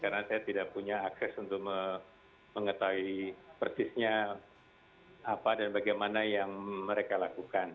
karena saya tidak punya akses untuk mengetahui persisnya apa dan bagaimana yang mereka lakukan